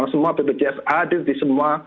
semua bpjs hadir di semua